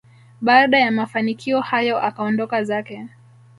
baada ya mafanikio hayo akaondoka zake